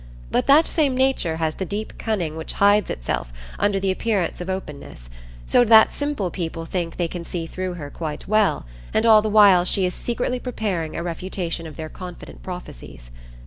But that same Nature has the deep cunning which hides itself under the appearance of openness, so that simple people think they can see through her quite well, and all the while she is secretly preparing a refutation of their confident prophecies.